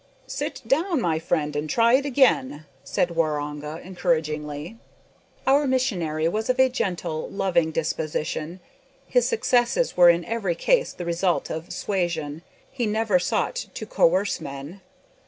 "Sit down, my friend, and try it again," said Waroonga, encouragingly. Our missionary was of a gentle, loving disposition. His successes were in every case the result of suasion. He never sought to coerce men.